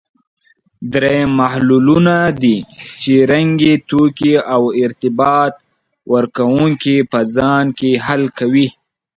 دریم محللونه دي چې رنګي توکي او ارتباط ورکوونکي په ځان کې حل کوي.